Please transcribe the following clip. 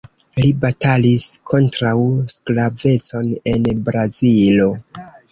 Li batalis kontraŭ sklavecon en Brazilo.